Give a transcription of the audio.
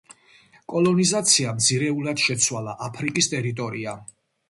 კოლონიზაციამ ძირეულად შეცვალა აფრიკის ტერიტორია.